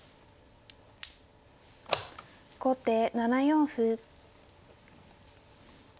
後手７四歩。